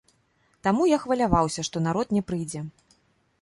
Таму, я хваляваўся, што народ не прыйдзе.